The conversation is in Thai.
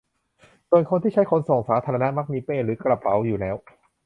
ส่วนคนที่ใช้ขนส่งสาธารณะมักมีเป้หรือกระเป๋าอยู่แล้ว